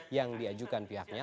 yang diajukan pihaknya